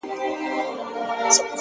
د رڼا او سیوري حرکت د دیوال شکل بدلوي.!